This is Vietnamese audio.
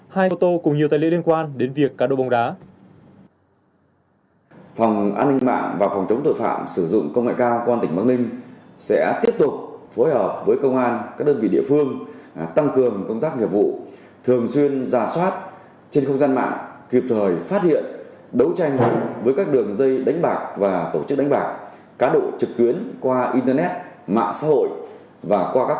hai ô tô cùng nhiều tài liệu liên quan đến việc cá độ bóng đá